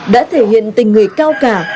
đã thể hiện tình người cao cả